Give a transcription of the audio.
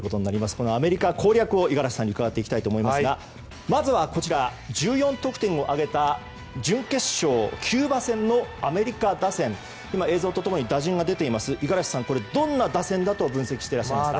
このアメリカ攻略を五十嵐さんに伺っていきたいと思いますがまず、１４得点を挙げた準決勝キューバ戦のアメリカ打線映像と共に打順が出ていますが五十嵐さん、どんな打線だと分析されますか？